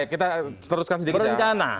kita teruskan sedikit berencana